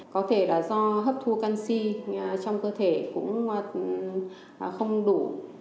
có thể là do hấp thu căn si trong cơ thể cũng không đủ